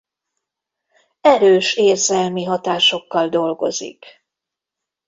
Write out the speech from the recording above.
Erős érzelmi hatásokkal dolgozik.